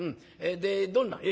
でどんな？」。